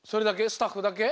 スタッフだけ？